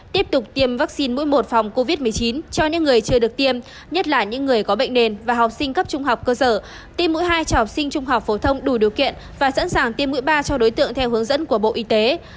tiếp tục tiêm vaccine mũi một phòng covid một mươi chín cho những người chưa được tiêm nhất là những người có bệnh nền và học sinh cấp trung học cơ sở tiêm mũi hai cho học sinh trung học phổ thông đủ điều kiện và sẵn sàng tiêm mũi ba cho đối tượng theo hướng dẫn của bộ y tế